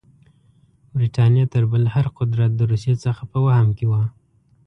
برټانیه تر بل هر قدرت د روسیې څخه په وهم کې وه.